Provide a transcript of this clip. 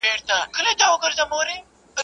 چي شریک یې په قدرت سي په ښکارونو.